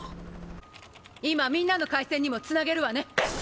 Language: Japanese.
今みんなの回線にもつなげるわね。